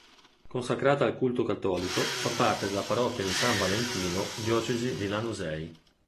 Consacrata al culto cattolico, fa parte della parrocchia di San Valentino, diocesi di Lanusei.